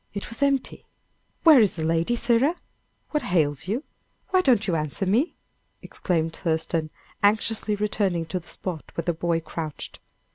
It was empty. "Where is the lady, sirrah? What ails you? Why don't you answer me?" exclaimed Thurston, anxiously returning to the spot where the boy crouched.